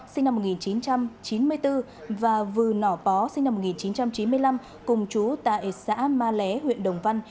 sinh năm một nghìn chín trăm chín mươi bốn và vừa nỏ bó sinh năm một nghìn chín trăm chín mươi năm cùng chú tại xã ma lé huyện đồng văn